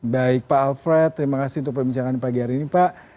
baik pak alfred terima kasih untuk perbincangan pagi hari ini pak